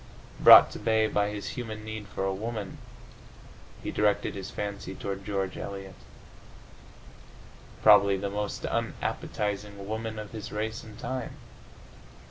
Brought to bay by his human need for a woman, he directed his fancy toward George Eliot, probably the most unappetizing woman of his race and time.